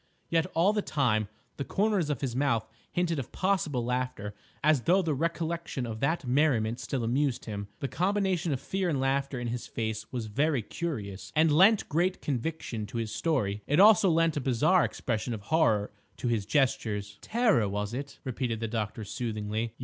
Yet, all the time, the corners of his mouth hinted of possible laughter as though the recollection of that merriment still amused him. The combination of fear and laughter in his face was very curious, and lent great conviction to his story; it also lent a bizarre expression of horror to his gestures. "Terror, was it?" repeated the doctor soothingly.